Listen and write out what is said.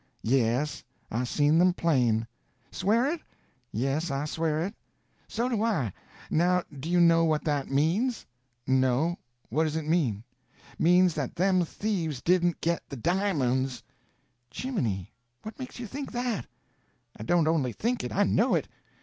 "Yes. I seen them plain." "Swear it?" "Yes, I swear it." "So do I. Now do you know what that means?" "No. What does it mean?" "Means that them thieves didn't get the di'monds." "Jimminy! What makes you think that?" "I don't only think it, I know it.